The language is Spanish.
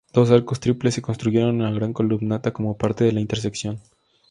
Dos arcos triples se construyeron en la Gran Columnata como parte de la intersección.